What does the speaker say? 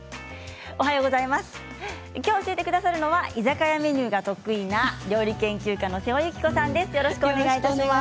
きょう教えてくださるのは居酒屋メニューが得意な料理研究家の瀬尾幸子さんです。